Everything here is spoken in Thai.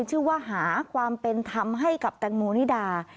ชื่อว่าหาความเป็นธรรมให้กับแตงโมนิดา